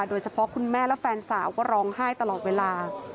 คุณแม่และแฟนสาวก็ร้องไห้ตลอดเวลา